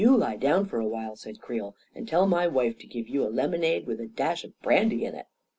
" You lie down for a while/' said Creel, " and tell my wife to give you a lemonade with a dash of brandy in it."